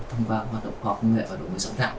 thông qua hoạt động khoa học công nghệ và đồng hồ sáng tạo